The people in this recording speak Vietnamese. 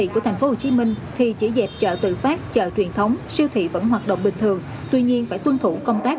chỉ thị với sáu điểm mới trong công tác